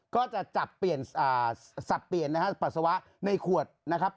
ก็จะจับเปลี่ยนสับเปลี่ยนนะฮะปัสสาวะในขวดนะครับ